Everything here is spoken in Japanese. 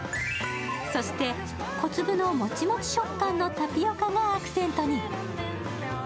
そして小粒のモチモチ食感のタピオカがアクセントに。